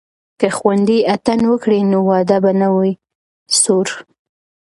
که خویندې اتڼ وکړي نو واده به نه وي سوړ.